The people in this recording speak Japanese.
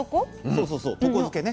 そうそうそう床漬けね。